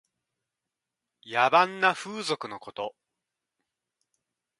野蛮な風俗のこと。